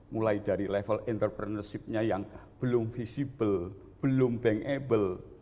mulai dari level entrepreneurshipnya yang belum visible belum bankable